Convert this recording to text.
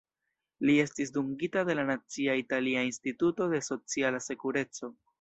Li estis dungita de la Nacia Italia Instituto de Sociala Sekureco.